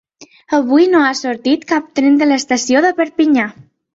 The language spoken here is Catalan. Avui no ha sortit cap tren de l’estació de Perpinyà.